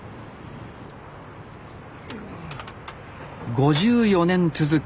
５４年続く